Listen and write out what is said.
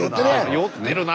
酔ってるな。